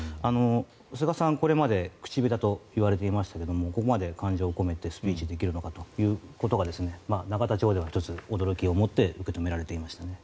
菅さん、これまで口下手といわれていましたがここまで感情込めてスピーチできるのかということが永田町では１つ驚きをもって受け止められていましたね。